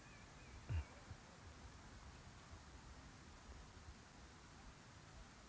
asal sekolah sma negeri sebelas